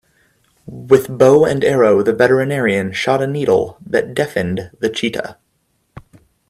With bow and arrow the veterinarian shot a needle that deafened the cheetah.